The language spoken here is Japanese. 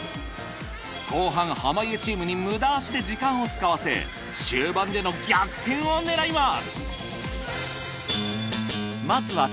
後半濱家チームに無駄足で時間を使わせ終盤での逆転を狙います。